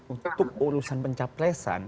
untuk urusan pencaplesan